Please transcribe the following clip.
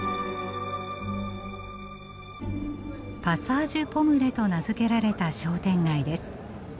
パサージュ・ポムレと名付けられた商店街です。